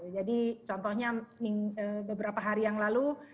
jadi contohnya beberapa hari yang lalu